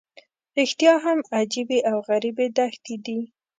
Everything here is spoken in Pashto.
رښتیا هم عجیبې او غریبې دښتې دي.